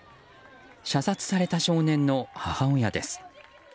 射殺された少年の母親です。